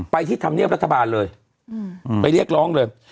ที่ธรรมเนียบรัฐบาลเลยไปเรียกร้องเลย